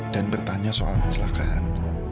dan bertanya soal kecelakaan